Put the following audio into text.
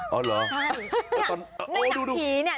เออเหรอ